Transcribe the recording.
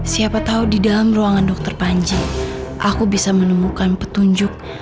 siapa tahu di dalam ruangan dokter panji aku bisa menemukan petunjuk